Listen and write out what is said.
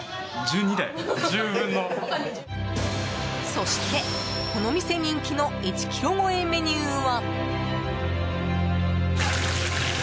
そして、この店人気の１ｋｇ超えメニューは。